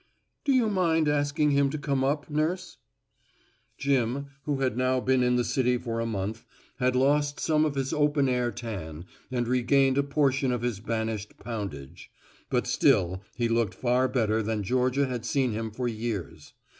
"Do you mind asking him to come up, nurse?" Jim, who had now been in the city for a month, had lost some of his open air tan and regained a portion of his banished poundage, but still he looked far better than Georgia had seen him for years.